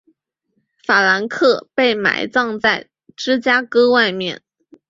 法兰克被埋葬在芝加哥外面的。